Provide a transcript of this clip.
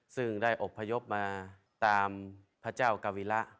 ซึ่งได้อบพยพมาตามพระเจ้ากาวิระ